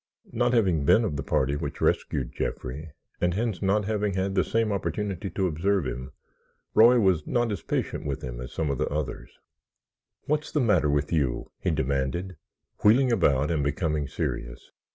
Not having been of the party which rescued Jeffrey, and hence not having had the same opportunity to observe him, Roy was not as patient with him as some of the others. "What's the matter with you?" he demanded, wheeling about and becoming serious.